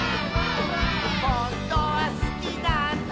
「ほんとはすきなんだ」